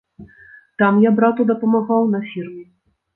Там я брату дапамагаў на фірме.